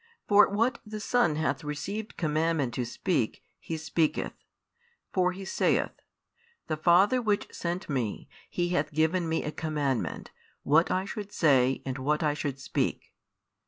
For what the Son hath received commandment to speak, He speaketh; for He saith: The Father which sent Me, He hath given Me a commandment, what I should say, and what I should speak.